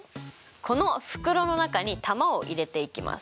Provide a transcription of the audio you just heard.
この袋の中に球を入れていきます。